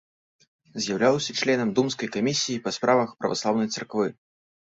З'яўляўся членам думскай камісіі па справах праваслаўнай царквы.